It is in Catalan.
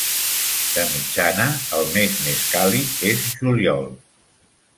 De mitjana, el mes més càlid és juliol.